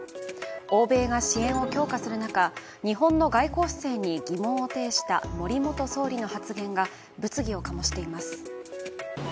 欧米が支援を強化する中、日本の外交姿勢に疑問を呈した森元総理の発言が物議を醸しています。